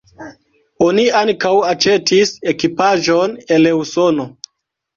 Oni ankaŭ aĉetis ekipaĵon el Usono.